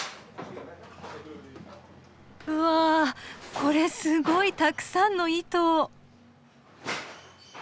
うわこれすごいたくさんの糸。